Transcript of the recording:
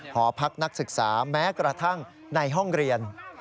หอพักนักศึกษาแม้กระทั่งในห้องเรียน